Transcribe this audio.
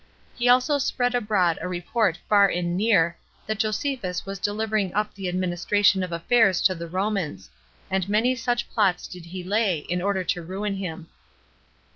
He also spread abroad a report far and near that Josephus was delivering up the administration of affairs to the Romans; and many such plots did he lay, in order to ruin him.